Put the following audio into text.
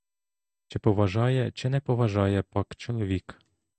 Чи поважає, чи не поважає пак чоловік!